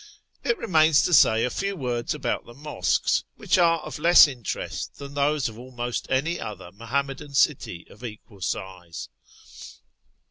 It remains to say a few words about the mosques, which are of less interest than those of almost any other Muham madan city of equal size.